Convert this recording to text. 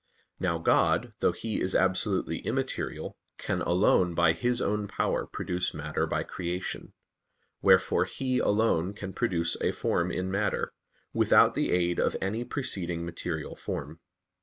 Now God, though He is absolutely immaterial, can alone by His own power produce matter by creation: wherefore He alone can produce a form in matter, without the aid of any preceding material form.